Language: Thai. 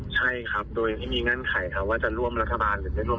ใช่ครับโดยไม่มีเงื่อนไขครับว่าจะร่วมรัฐบาลหรือไม่ร่วม